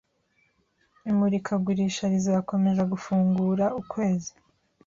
Imurikagurisha rizakomeza gufungura ukwezi.